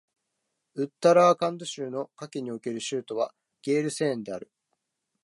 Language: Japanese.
ウッタラーカンド州の夏季における州都はゲールセーンである